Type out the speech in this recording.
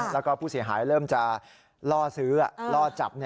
แล้วก็ผู้เสียหายเริ่มจะล่อซื้อล่อจับ